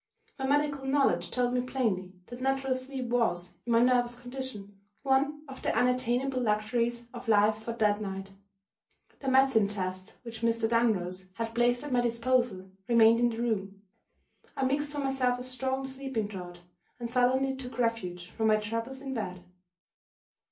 My medical knowledge told me plainly that natural sleep was, in my nervous condition, one of the unattainable luxuries of life for that night. The medicine chest which Mr. Dunross had placed at my disposal remained in the room. I mixed for myself a strong sleeping draught, and sullenly took refuge from my troubles in bed.